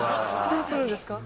どうするんですか？